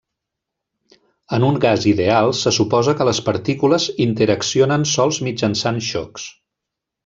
En un gas ideal se suposa que les partícules interaccionen sols mitjançant xocs.